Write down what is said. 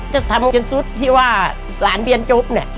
จะทำจนสุดที่ว่าหลานเรียนจบเนี่ย